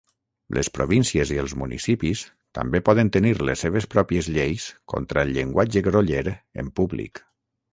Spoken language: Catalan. Les províncies i els municipis també poden tenir les seves pròpies lleis contra el llenguatge groller en públic.